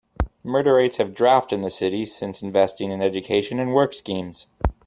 Murder rates have dropped in this city since investing in education and work schemes.